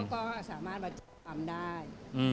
ก็สามารถมาจับความได้